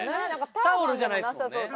タオルじゃないですもんね。